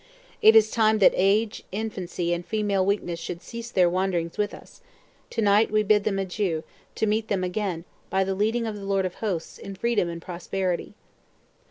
It is time that age, infancy, and female weakness should cease their wanderings with us; to night we bid them adieu, to meet them again, by the leading of the Lord of Hosts, in freedom and prosperity!"